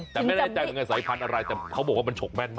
แต่ไม่ได้ใจว่าสายพันธุ์อะไรแต่เขาบอกว่ามันโฉกแม่นมาก